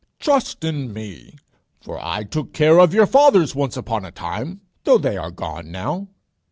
"Trust in me, for I took care of your fathers once upon a time, though they are gone now.